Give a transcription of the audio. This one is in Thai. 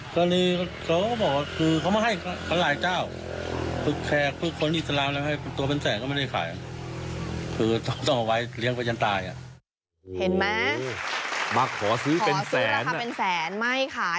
ขอซื้อราคาเป็นแสนไม่ขาย